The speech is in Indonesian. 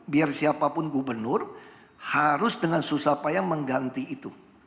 biar siapapun gubernur harus dengan susah payah mengganti itu